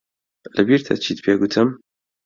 لەبیرتە چیت پێ گوتم؟